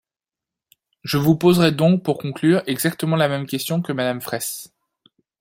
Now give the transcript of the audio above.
Je vous poserai donc, pour conclure, exactement la même question que Madame Fraysse.